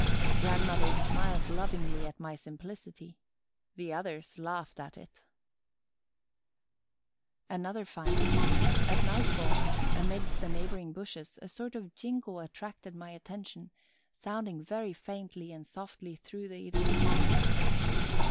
Grandmother smiled lovingly at my simplicity: the others laughed at it. Another find. At nightfall, amidst the neighboring bushes, a sort of jingle attracted my attention, sounding very faintly and softly through the evening silence.